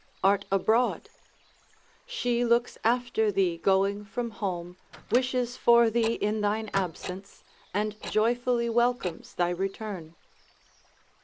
Art abroad? she looks after thee going from home, wishes for thee in thine absence, and joyfully welcomes thy return.